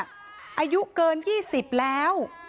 อายุเกิน๒๐แล้ว